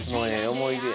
思い出や。